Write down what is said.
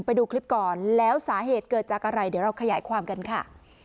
ไปดูคลิปก่อนแล้วสาเหตุเกิดจากอะไรเดี๋ยวเราขยายความกันค่ะ